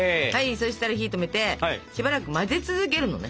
そしたら火止めてしばらく混ぜ続けるのね。